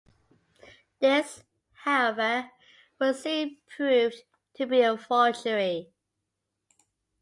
This, however, was soon proved to be a forgery.